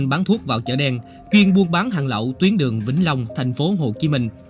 quang là một tên bán thuốc vào chợ đen quyên buôn bán hàng lậu tuyến đường vĩnh long thành phố hồ chí minh